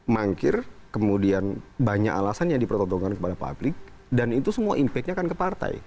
mangkir kemudian banyak alasan yang dipertontonkan kepada publik dan itu semua impact nya akan ke partai